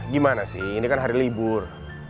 gimana sih ini kan hari libur